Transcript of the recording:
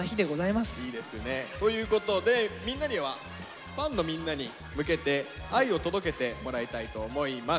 ということでみんなにはファンのみんなに向けて愛を届けてもらいたいと思います。